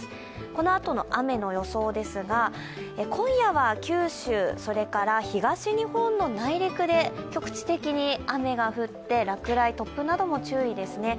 このあとの雨の予想ですが、今夜は九州、東日本の内陸で局地的に雨が降って落雷、突風なども注意ですね。